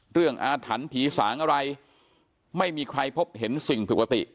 เรื่องอาถรรพีสางอะไรไม่มีใครพบเห็นสิ่งปกติ